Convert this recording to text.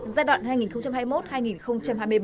giai đoạn hai nghìn hai mươi một hai nghìn hai mươi ba